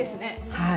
はい。